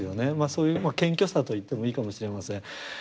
そういう謙虚さと言ってもいいかもしれません。